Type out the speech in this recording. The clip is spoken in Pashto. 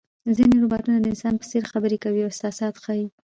ځینې روباټونه د انسان په څېر خبرې کوي او احساسات ښيي.